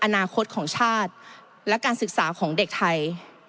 อนาคตของชาติและการศึกษาของเด็กไทย